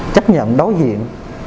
chấp nhận đối diện